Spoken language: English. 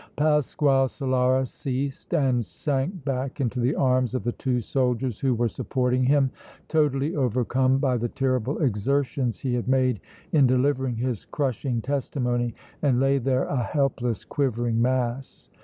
Pasquale Solara ceased and sank back into the arms of the two soldiers who were supporting him, totally overcome by the terrible exertions he had made in delivering his crushing testimony, and lay there a helpless, quivering mass.